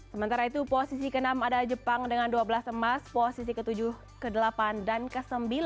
sementara itu posisi ke enam ada jepang dengan dua belas emas posisi ke tujuh ke delapan dan ke sembilan